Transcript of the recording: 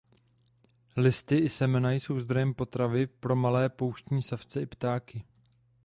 Listy i semena jsou zdrojem potravy pro malé pouštní savce i ptáky.